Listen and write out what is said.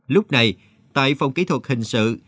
lúc này tại phòng kỹ thuật hình sự